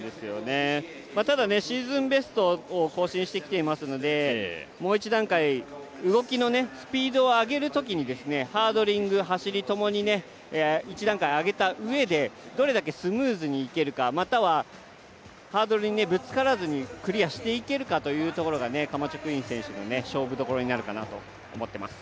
ただシーズンベストを更新してきていますので、もう一段階動きの、スピードを上げるときにハードリング、走り共に１段階上げたうえで、どれだけスムーズにけるか、またはハードルにぶつからずにクリアしていけるかというところがカマチョ・クイン選手の勝負どころになるかなと思ってます。